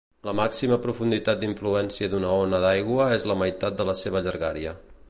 La màxima profunditat d'influència d'una ona d'aigua és la meitat de la seva llargària.